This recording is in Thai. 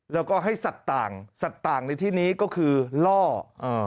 แล้วก็ให้สัตว์ต่างสัตว์ต่างในที่นี้ก็คือล่ออ่า